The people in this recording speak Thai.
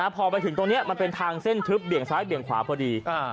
พอไปถึงตรงนี้มันเป็นทางเส้นทึบเบี่ยงซ้ายเบี่ยงขวาพอดี